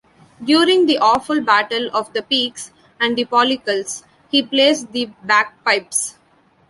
During "The Awefull Battle of the Pekes and the Pollicles", he plays the bagpipes.